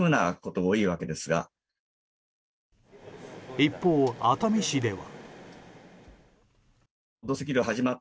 一方、熱海市では。